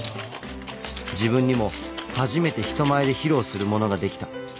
自分にも初めて人前で披露するものができた。